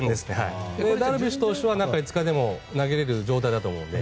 ダルビッシュ投手は中５日でも投げれる状態だと思うので。